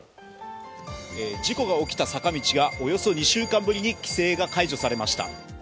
事故が起きた坂道がおよそ２週間ぶりに規制が解除されました。